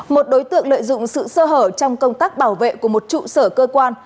một đối tượng lợi dụng sự sơ hở trong công tác bảo vệ của một trụ sở cơ quan